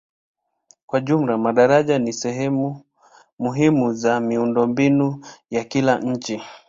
Kwa jumla madaraja ni sehemu muhimu za miundombinu ya kila nchi.